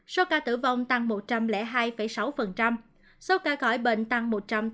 số ca tử vong tăng một trăm linh hai sáu số ca khỏi bệnh tăng một trăm tám mươi